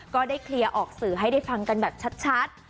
ก็ได้เคลียร์ออกสื่อให้ได้ฟังกันแบบชัด